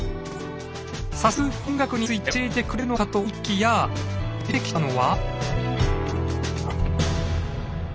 早速音楽について教えてくれるのかと思いきや出てきたのは？